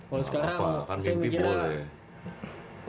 kalau sekarang saya mikirkan